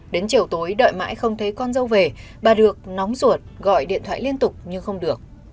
đến chiều tối đợi mãi không thấy con dâu về bà được nóng ruột gọi điện thoại liên tục nhưng không được